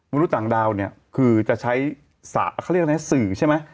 มนุษย์ต่างดาวเนี่ยคือจะใช้สระเขาเรียกอะไรนะสื่อใช่ไหม